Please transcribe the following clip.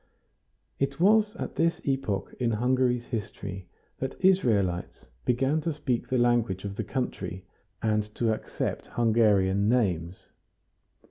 It was at this epoch in Hungary's history that Israelites began to speak the language of the country, and to accept Hungarian names.